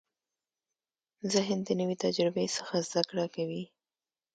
ذهن د نوې تجربې څخه زده کړه کوي.